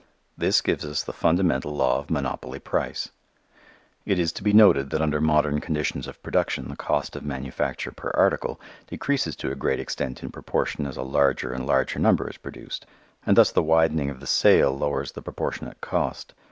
This gives us the fundamental law of monopoly price. It is to be noted that under modern conditions of production the cost of manufacture per article decreases to a great extent in proportion as a larger and larger number is produced and thus the widening of the sale lowers the proportionate cost.